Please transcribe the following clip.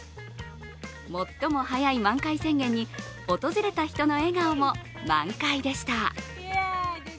最も早い満開宣言に訪れた人の笑顔も満開でした。